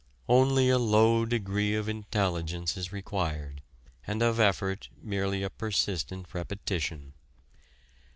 Only a low degree of intelligence is required and of effort merely a persistent repetition.